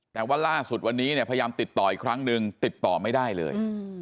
แต่ว่าล่าสุดวันนี้เนี่ยพยายามติดต่ออีกครั้งหนึ่งติดต่อไม่ได้เลย